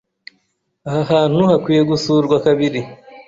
Aha hantu hakwiye gusurwa kabiri.